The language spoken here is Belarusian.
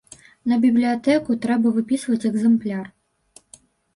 На бібліятэку трэба выпісваць экзэмпляр.